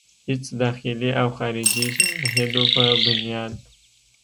هيڅ داخلي او خارجي شواهدو پۀ بنياد